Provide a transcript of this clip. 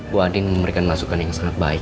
bu adin memberikan masukan yang sangat baik